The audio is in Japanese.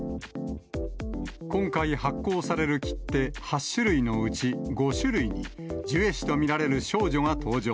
今回、発行される切手８種類のうち、５種類に、ジュエ氏と見られる少女が登場。